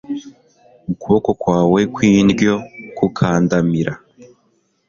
ukuboko kwawe kw’indyo kukandamira